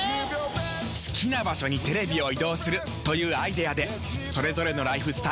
好きな場所にテレビを移動するというアイデアでそれぞれのライフスタイルはもっと自由になる。